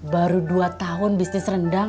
baru dua tahun bisnis rendang